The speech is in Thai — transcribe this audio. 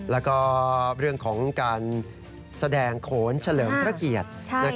แล้วก็เรื่องของการแสดงโขนเฉลิมพระเกียรติ